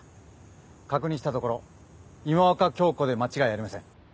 確認したところ今岡鏡子で間違いありません。